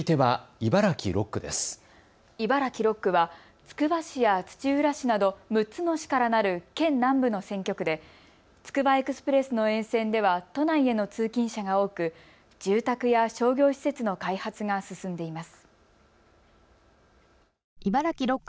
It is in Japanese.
茨城６区はつくば市や土浦市など、６つの市からなる県南部の選挙区でつくばエクスプレスの沿線では都内への通勤者が多く住宅や商業施設の開発が進んでいます。